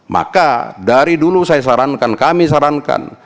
maka dari dulu saya sarankan kami sarankan